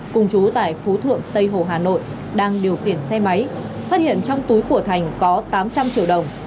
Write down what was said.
cùng chú tại phú thượng tây hồ hà nội đang điều khiển xe máy phát hiện trong túi của thành có tám trăm linh triệu đồng